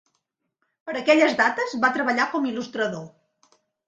Per aquelles dates va treballar com il·lustrador.